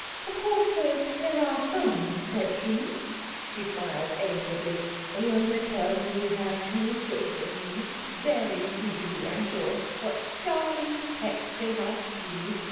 Of course, though, there are some exceptions.' She smiled amiably. 'Aylmer tells me you have two children; very sweet of you, I'm sure. What darling pets they must be!